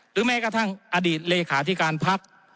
แม้กระทั่งอดีตเลขาธิการพัก